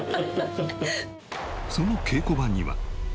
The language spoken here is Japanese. その稽古場には。